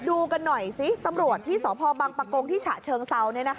ดูกันหน่อยสิตำรวจที่สพบังปะกงที่ฉะเชิงเซา